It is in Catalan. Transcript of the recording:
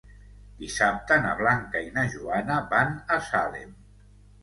Dissabte na Blanca i na Joana van a Salem.